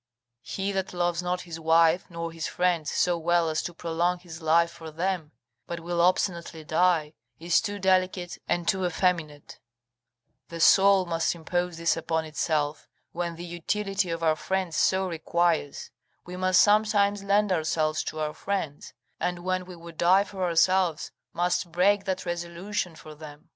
He that loves not his wife nor his friend so well as to prolong his life for them, but will obstinately die, is too delicate and too effeminate: the soul must impose this upon itself, when the utility of our friends so requires; we must sometimes lend ourselves to our friends, and when we would die for ourselves must break that resolution for them.